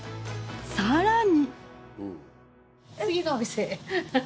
さらに。